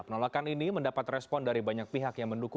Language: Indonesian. penolakan ini mendapat respon dari banyak pihak